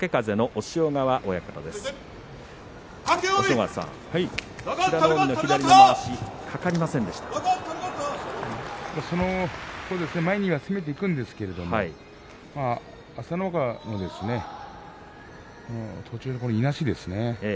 押尾川さん、美ノ海前には攻めていくんですけど朝乃若が途中のいなしですね